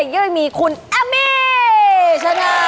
เยื่อยมีคุณอามมี่ชนะ